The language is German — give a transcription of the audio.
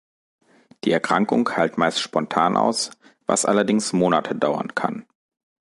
Die Erkrankung heilt meist spontan aus, was allerdings Monate dauern kann.